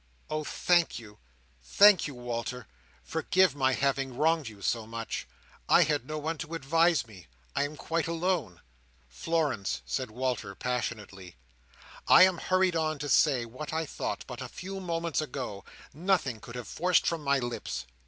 "Oh thank you, thank you, Walter! Forgive my having wronged you so much. I had no one to advise me. I am quite alone." "Florence!" said Walter, passionately. "I am hurried on to say, what I thought, but a few moments ago, nothing could have forced from my lips.